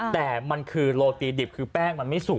แต่มันคือโรตีดิบคือแป้งมันไม่สุก